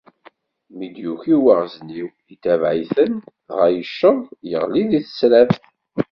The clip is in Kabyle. Mi d-yuki uwaɣezniw, itabaɛ-iten, dɣa yecceḍ, yeɣli di tesraft.